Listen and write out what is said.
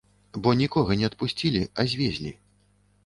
Бо нікога не адпусцілі, а звезлі.